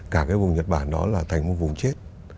cả cái vùng nhật bản đó là thành một vùng chết